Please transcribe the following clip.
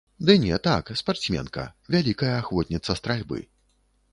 Ды не, так, спартсменка, вялікая ахвотніца стральбы.